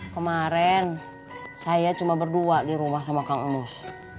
kemarin saya cuma berdua di rumah sama kang emis